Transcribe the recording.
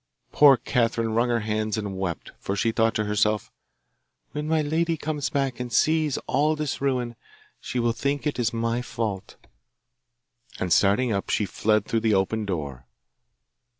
Poor Catherine wrung her hands and wept, for she thought to herself, 'When my lady comes back and sees all this ruin she will think it is my fault,' and starting up, she fled through the open door.